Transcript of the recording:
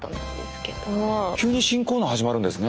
急に新コーナー始まるんですね。